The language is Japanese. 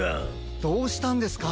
どうしたんですか？